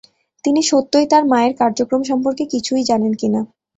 তিনি সত্যই তার মায়ের কার্যক্রম সম্পর্কে কিছু জানেন কিনা।